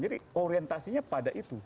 jadi orientasinya pada itu